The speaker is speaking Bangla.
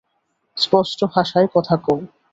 স্পষ্ট ভাষায় কথা কও।